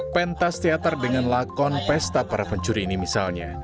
pentas teater dengan lakon pesta para pencuri ini misalnya